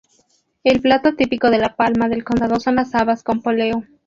El plato típico de La Palma del Condado son las habas con poleo.